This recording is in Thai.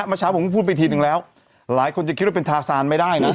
เมื่อเช้าผมก็พูดไปทีนึงแล้วหลายคนจะคิดว่าเป็นทาซานไม่ได้นะ